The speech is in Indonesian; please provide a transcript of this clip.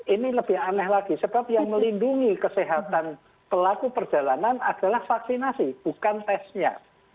ini lebih aneh lagi sebab yang melindungi kesehatan pelaku perjalanan adalah vaksinasi bukan tesnya